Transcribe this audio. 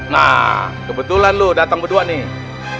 nah kebetulan loh datang berdua nih